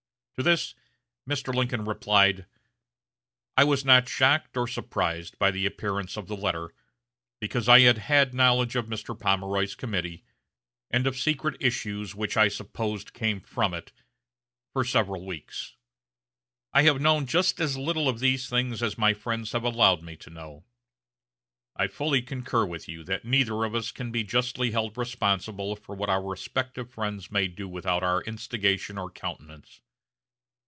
To this Mr. Lincoln replied: "I was not shocked or surprised by the appearance of the letter, because I had had knowledge of Mr. Pomeroy's committee, and of secret issues which I supposed came from it, ... for several weeks. I have known just as little of these things as my friends have allowed me to know.... I fully concur with you that neither of us can be justly held responsible for what our respective friends may do without our instigation or countenance....